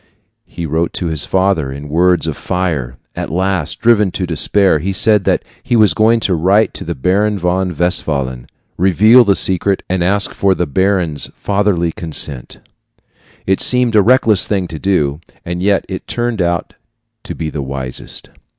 He wrote to his father in words of fire. At last, driven to despair, he said that he was going to write to the Baron von Westphalen, reveal the secret, and ask for the baron's fatherly consent. It seemed a reckless thing to do, and yet it turned out to be the wisest.